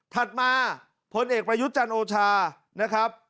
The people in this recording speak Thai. ถัดมาพลเอกประยุจรรย์โอชา